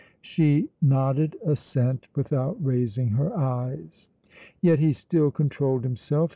She nodded assent without raising her eyes. Yet he still controlled himself.